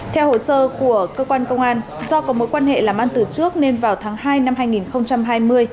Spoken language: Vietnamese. theo hồ sơ của cơ quan công an do có mối quan hệ làm ăn từ trước nên vào tháng hai năm hai nghìn hai mươi